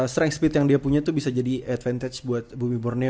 strength speed yang dia punya tuh bisa jadi advantage buat bumi borneo